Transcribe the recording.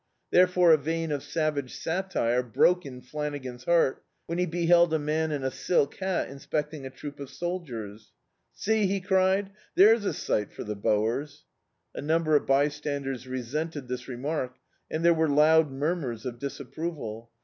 Therefore a vein of savage satire brolce in Flanagan's heart when be beheld a man in a silk hat inspecting a troop of soldiers. "Sec!" he cried, "there's a sight for the Boers." A num ber of bystanders resented this remark, and there were loud murmurs of disapproval.